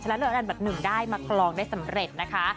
และเรืออันดับหนึ่งได้มากลองได้สำเร็จนะคะ